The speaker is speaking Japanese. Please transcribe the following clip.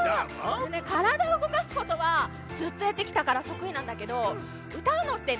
からだをうごかすことはずっとやってきたからとくいなんだけどうたうのってね